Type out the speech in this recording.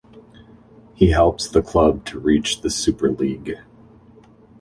He helps the club to reach the Super League.